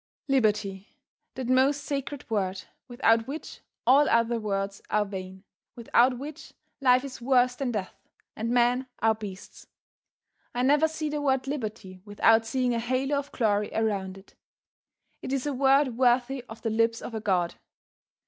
LIBERTY, that most sacred word, without which all other words are vain, without which, life is worse than death, and men are beasts! I never see the word Liberty without seeing a halo of glory around it. It is a word worthy of the lips of a God.